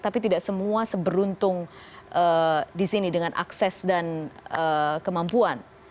tapi tidak semua seberuntung di sini dengan akses dan kemampuan